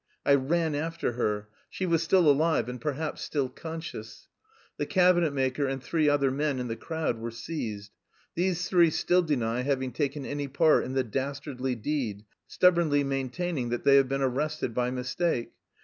I ran after her. She was still alive and perhaps still conscious. The cabinet maker and three other men in the crowd were seized. These three still deny having taken any part in the dastardly deed, stubbornly maintaining that they have been arrested by mistake.